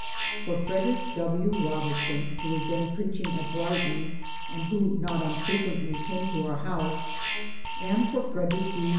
For Frederick Wl Robertson, who was then preaching at Brighton, and who not unfre quently came to our house, and for Frederick D.